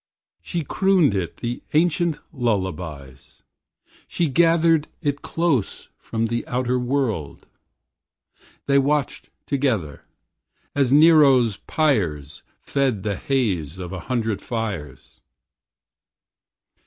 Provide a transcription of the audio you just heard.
She crooned it the ancient lullabies, She gathered it close from the outer world. They watched together, as Nero's pyres Fed the haze of a hundred fires.